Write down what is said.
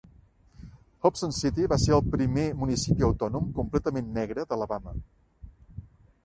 Hobson City va ser el primer municipi autònom completament negre d'Alabama.